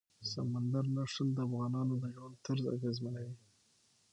سمندر نه شتون د افغانانو د ژوند طرز اغېزمنوي.